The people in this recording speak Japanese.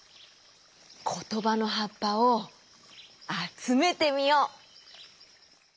ことばのはっぱをあつめてみよう！